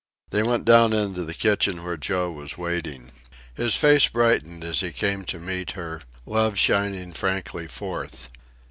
They went down into the kitchen where Joe was waiting. His face brightened as he came to meet her, love shining frankly forth.